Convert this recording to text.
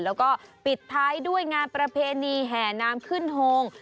แล้วก็ปิดท้ายด้วยงานประเพณีแห่น้ำขึ้นโฮง